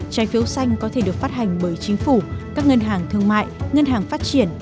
trái phiếu xanh có thể được phát hành bởi chính phủ các ngân hàng thương mại ngân hàng phát triển